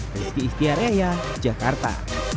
rizky istiareya jakarta